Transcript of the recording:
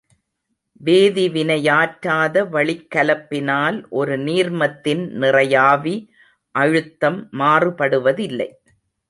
வேதிவினையாற்றாத வளிக்கலப்பினால் ஒரு நீர்மத்தின் நிறையாவி அழுத்தம் மாறுபடுவதில்லை.